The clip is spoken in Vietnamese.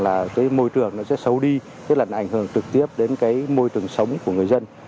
là cái môi trường nó sẽ xấu đi tức là nó ảnh hưởng trực tiếp đến cái môi trường sống của người dân